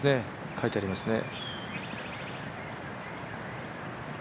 書いてありますね。